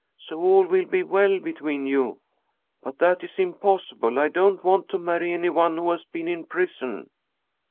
"So all will be well between you." "But that is impossible. I don't want to marry any one who has been in prison!"